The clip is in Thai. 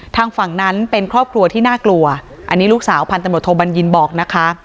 ทางฝั่งนั้นเป็นครอบครัวที่น่ากลัวอันนี้ลูกสาวพันตำรวจโทบัญญินบอกนะคะ